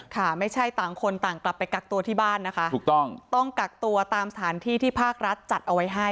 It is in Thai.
ค่ะไม่ใช่ต่างคนต่างกลับไปกักตัวที่บ้านนะคะถูกต้องต้องกักตัวตามสถานที่ที่ภาครัฐจัดเอาไว้ให้